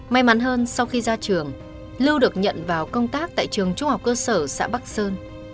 may mắn hơn sau khi ra trường lưu được nhận vào công tác tại trường trung học cơ sở xã bắc sơn